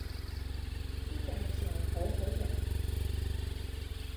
啲教授好好人